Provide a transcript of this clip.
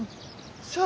そう。